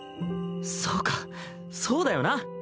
そうかそうだよな。